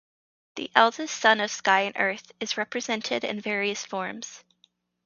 The eldest son of Sky and Earth is represented in various forms.